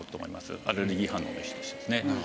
アレルギー反応の一種としてですね。